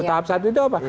tahap satu itu apa